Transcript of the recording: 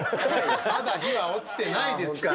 まだ日は落ちてないですから。